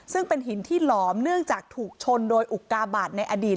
ซึ่งเป็นหินที่หลอมเนื่องจากถูกชนโดยอุกาบาทในอดีต